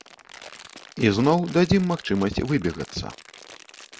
І зноў дадзім магчымасць выбегацца.